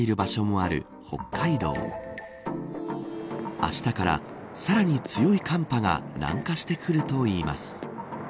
あしたから、さらに強い寒波が南下してくるといいます。